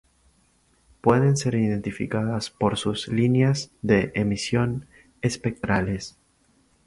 Pueden ser identificadas por sus líneas de emisión espectrales.